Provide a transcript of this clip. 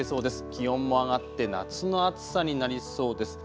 気温も上がって夏の暑さになりそうです。